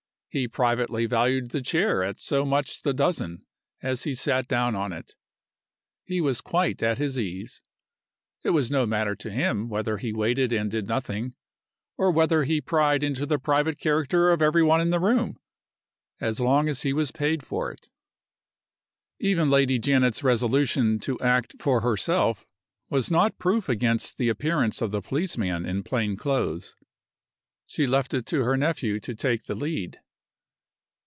He privately valued the chair at so much the dozen as he sat down on it. He was quite at his ease: it was no matter to him whether he waited and did nothing, or whether he pried into the private character of every one in the room, as long as he was paid for it. Even Lady Janet's resolution to act for herself was not proof against the appearance of the policeman in plain clothes. She left it to her nephew to take the lead.